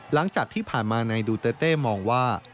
หลังจากที่ผ่านมานายดูเตอร์เต้มองว่า